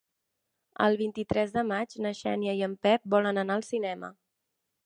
El vint-i-tres de maig na Xènia i en Pep volen anar al cinema.